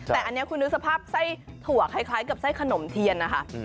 แต่อันนี้คุณนึกสภาพไส้ถั่วคล้ายกับไส้ขนมเทียนนะคะ